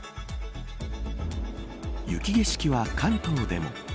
雪景色は関東でも。